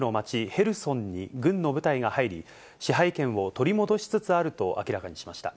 ヘルソンに軍の部隊が入り、支配権を取り戻しつつあると明らかにしました。